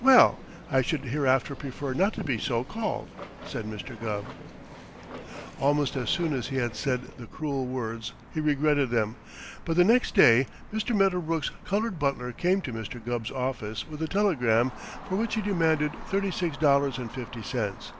"Well, I should hereafter prefer not to be so called," said Mr. Gubb. Almost as soon as he had said the cruel words he regretted them, but the next day Mr. Medderbrook's colored butler came to Mr. Gubb's office with a telegram for which he demanded thirty six dollars and fifty cents.